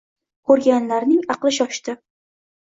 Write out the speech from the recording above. Ko‘rganlarning aqli shoshdi.